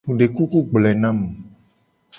Mu de kuku gbloe na mu.